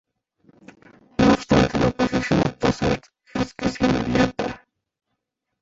No obstante, la oposición a Tausert es casi inmediata.